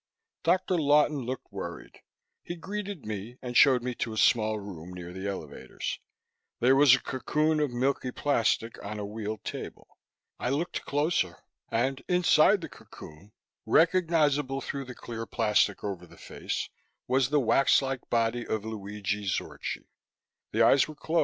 Dr. Lawton looked worried. He greeted me and showed me to a small room near the elevators. There was a cocoon of milky plastic on a wheeled table; I looked closer, and inside the cocoon, recognizable through the clear plastic over the face, was the waxlike body of Luigi Zorchi.